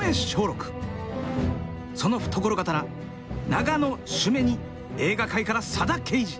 その懐刀長野主馬に映画界から佐田啓二。